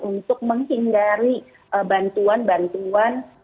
untuk menghindari bantuan bantuan